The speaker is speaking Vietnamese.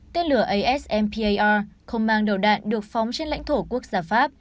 tên lửa asmpa r không mang đầu đạn được phóng trên lãnh thổ quốc gia pháp